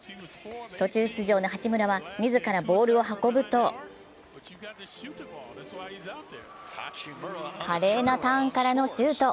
途中出場の八村は、自らボールを運ぶと、華麗なターンからのシュート。